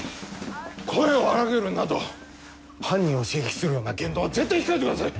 声を荒らげるなど犯人を刺激するような言動は絶対控えてください！